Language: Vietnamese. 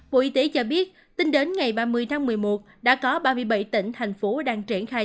bộ y tế cho biết tính đến ngày ba mươi tháng một mươi một đã có ba mươi bảy tỉnh thành phố đang triển khai